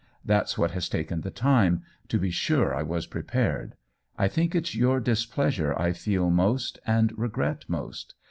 That's what has taken the time : to be sure I was prepared. I think it's your displeasure I feel most and regret most.